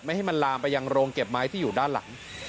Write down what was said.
ให้มันลามไปยังโรงเก็บไม้ที่อยู่ด้านหลัง